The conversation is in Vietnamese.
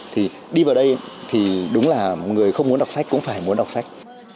thì đi vào đây thì đúng là người không muốn đọc sách cũng phải muốn đọc sách